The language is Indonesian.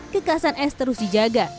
kekasan es terus dijaga